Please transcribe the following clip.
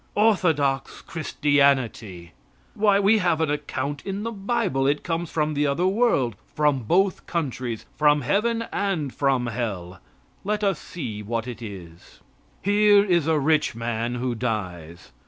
Orthodox Christianity! Why, we have an account in the bible it comes from the other world from both countries from heaven and from hell let us see what it is. Here is a rich man who dies.